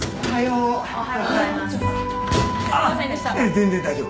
全然大丈夫。